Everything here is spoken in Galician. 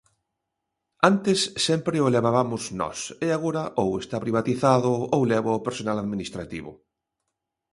Antes sempre o levabamos nós e agora ou está privatizado ou lévao persoal administrativo.